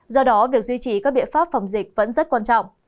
do đó việc duy trì các biện pháp phòng dịch vẫn rất quan trọng